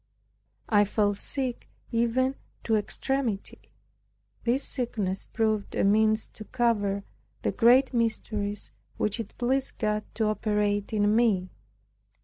I fell sick even to extremity. This sickness proved a means to cover the great mysteries which it pleased God to operate in me.